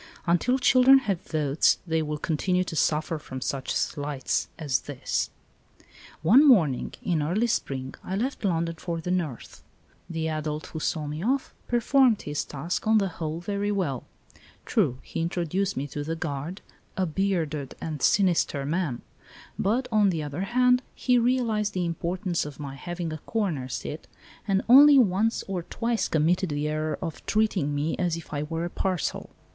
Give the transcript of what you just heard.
Until children have votes they will continue to suffer from such slights as this ! One morning in early spring I left London for the north. The adult who saw me off performed his task on the whole very well. True, he introduced me to the guard, a bearded and sinister man ; but, on the other hand, he realised the importance of my having a corner seat, and only once or twice 10 THE DAY BEFORE YESTERDAY committed the error of treating me as if I were a parcel.